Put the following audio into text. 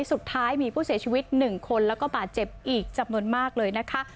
สุดท้ายมีผู้เสียชีวิต๑คนแล้วก็บาดเจ็บอีกจำนวนมากเลยนะคะ